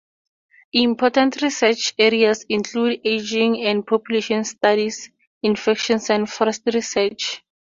Important research areas include ageing and population studies, infections, and forest research.